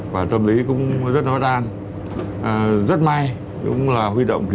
và tâm lý cũng rất hóa tan rất may cũng là huy động kỳ vụ